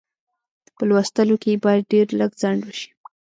په لوستلو کې یې باید ډېر لږ ځنډ وشي.